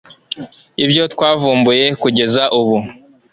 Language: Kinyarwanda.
ibyo twavumbuye kugeza ubu